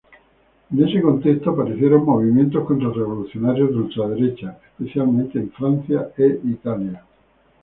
En ese contexto aparecieron movimientos contrarrevolucionarios de ultraderecha, especialmente en Francia e Italia.